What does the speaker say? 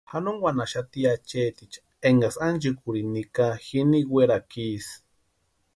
Janonkwanhaxati acheticha enkaksï ánchikwarhini nika jini werakwa isï.